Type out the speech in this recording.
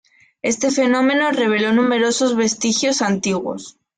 Este fenómeno reveló numerosos vestigios antiguos.